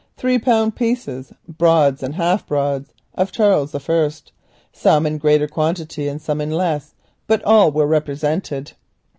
Three pound pieces, Broads, and Half Broads of Charles I.; some in greater quantity and some in less; all were represented.